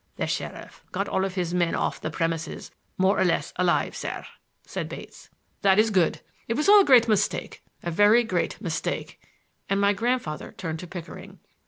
"The sheriff got all his men off the premises more or less alive, sir," said Bates. "That is good. It was all a great mistake,—a very great mistake,"—and my grandfather turned to Pickering.